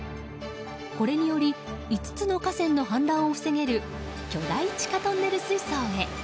これにより５つの河川の氾濫を防げる巨大地下トンネル水槽へ。